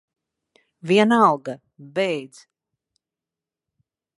Vienalga. Beidz.